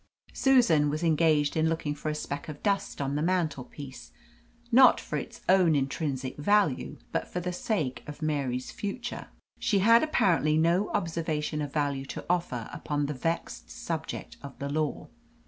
Susan was engaged in looking for a speck of dust on the mantelpiece, not for its own intrinsic value, but for the sake of Mary's future. She had apparently no observation of value to offer upon the vexed subject of the law.